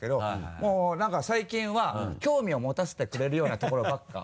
もうなんか最近は興味を持たせてくれるようなところばっかり。